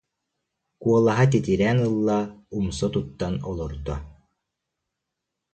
куолаһа титирээн ылла, умса туттан олордо